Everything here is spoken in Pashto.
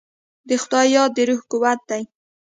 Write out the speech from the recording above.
د خدای یاد د روح قوت دی.